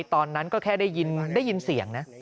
ตอนนั้นก็แค่ได้ยินเสียงนะ